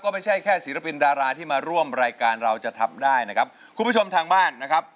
ไม่ใช่แค่ศิลปินดาราที่มาร่วมรายการเราจะทำได้นะครับคุณผู้ชมทางบ้านนะครับ